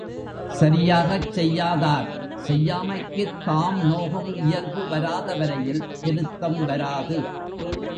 சரியாகச் செய்யாதார், செய்யாமைக்குத் தாம் நோகும் இயல்பு வராத வரையில் திருத்தம் வராது.